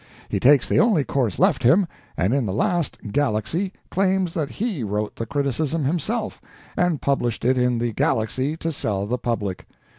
He takes the only course left him, and in the last _Galaxy _claims that _he _wrote the criticism himself, and published it in The Galaxy to sell the public.